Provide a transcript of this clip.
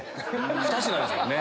２品ですもんね。